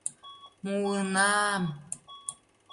Муына-а-ам!